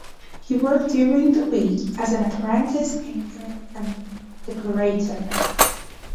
He worked during the week as an apprentice painter and decorator.